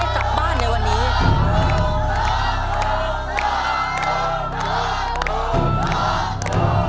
ถูก